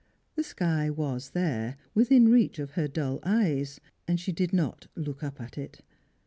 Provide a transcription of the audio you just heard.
The sky was there, witliin reach of her dull eyes, and she did not look up at it.